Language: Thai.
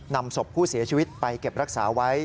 นำศพผู้เสียชีวิตไปเก็บรักษาไว้